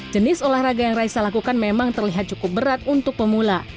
jenis olahraga yang raisa lakukan memang terlihat cukup berat untuk pemula